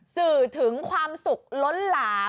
สื่อถึงความสุขล้นหลาม